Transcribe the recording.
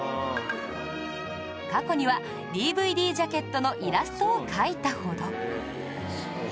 過去には ＤＶＤ ジャケットのイラストを描いたほど